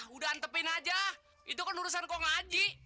udah antepin aja itu kan urusan kong haji